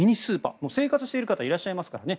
生活している方いらっしゃいますからね。